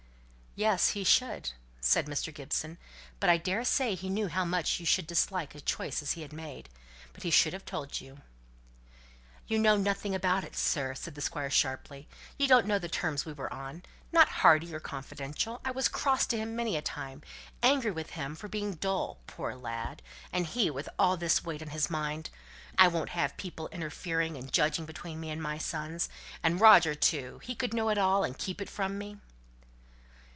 "Yes, he should!" said Mr. Gibson. "But I daresay he knew how much you would dislike such a choice as he had made. But he should have told you!" "You know nothing about it, sir," said the Squire sharply. "You don't know the terms we were on. Not hearty or confidential. I was cross to him many a time; angry with him for being dull, poor lad and he with all this weight on his mind. I won't have people interfering and judging between me and my sons. And Roger too! He could know it all, and keep it from me!"